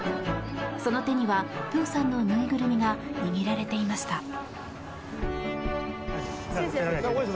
その手にはプーさんの縫いぐるみが握られていました。